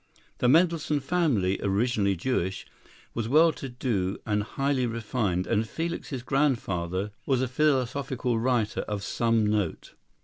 The Mendelssohn family, originally Jewish, was well to do and highly refined, and Felix's grandfather was a philosophical writer of some note.